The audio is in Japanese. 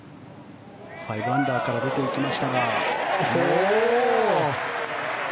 ５アンダーから出ていきましたが。